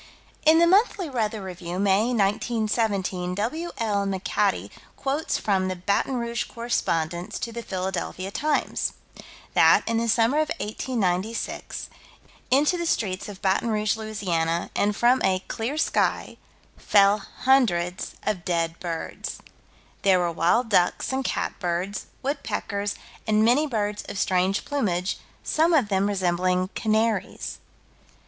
In the Monthly Weather Review, May, 1917, W.L. McAtee quotes from the Baton Rouge correspondence to the Philadelphia Times: That, in the summer of 1896, into the streets of Baton Rouge, La., and from a "clear sky," fell hundreds of dead birds. There were wild ducks and cat birds, woodpeckers, and "many birds of strange plumage," some of them resembling canaries.